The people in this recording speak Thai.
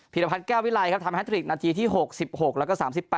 พิรพัฒน์แก้ววิลัยทำแฮทริกนาทีที่๖๑๖แล้วก็๓๘